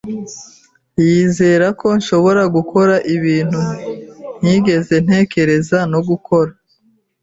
Yizera ko nshobora gukora ibintu ntigeze ntekereza no gukora.